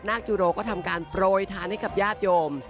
ยูโรก็ทำการโปรยทานให้กับญาติโยม